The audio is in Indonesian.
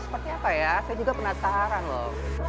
seperti apa ya saya juga penasaran loh